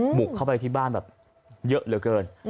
บุกเข้าไปที่บ้านแบบเยอะเหลือเกิน